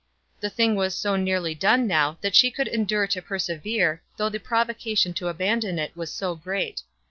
The thing was so nearly done now that she could endure to persevere though the provocation to abandon it was so great.